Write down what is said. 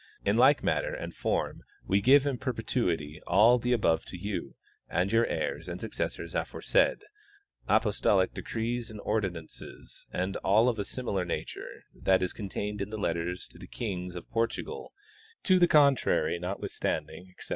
In like manner and form we give in perpetuity all the above to you and your heirs and successors aforesaid, apostolic decrees and ordinances and all of a similar nature that is contained in letters to the kings of Portugal to the contrar}^ notwithstanding, etc.